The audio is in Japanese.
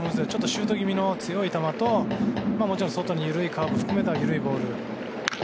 シュート気味の強い球ともちろん外に緩いカーブを含めた緩いボール。